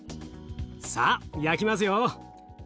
さあ焼きますよ！